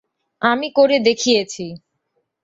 আমি করে দেখিয়েছি।